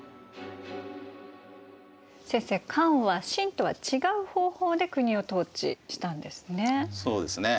先生漢は秦とは違う方法で国を統治したんですね。